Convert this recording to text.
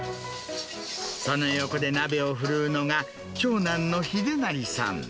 その横で鍋を振るうのが、長男のひでなりさん。